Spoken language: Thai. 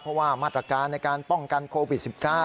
เพราะว่ามาตรการในการป้องกันโควิด๑๙